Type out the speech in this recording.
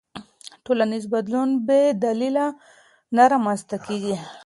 ټولنیز بدلون بې دلیله نه رامنځته کېږي.